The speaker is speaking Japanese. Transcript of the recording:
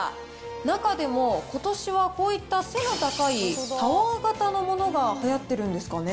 中でも、ことしはこういった背の高いタワー型のものがはやってるんですかね。